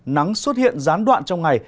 nắng xuất hiện gián đoạn trong ngày